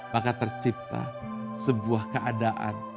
maka tercipta sebuah keadaan